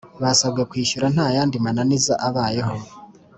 Basabwe kwishyura ntayandi mananiza abayeho